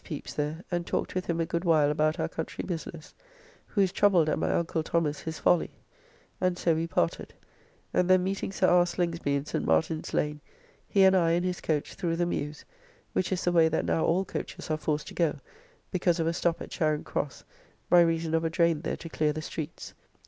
Pepys, there, and talked with him a good while about our country business, who is troubled at my uncle Thomas his folly, and so we parted; and then meeting Sir R. Slingsby in St. Martin's Lane, he and I in his coach through the Mewes, which is the way that now all coaches are forced to go, because of a stop at Charing Cross, by reason of a drain there to clear the streets.